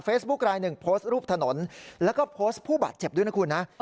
รายหนึ่งโพสต์รูปถนนแล้วก็โพสต์ผู้บาดเจ็บด้วยนะคุณนะ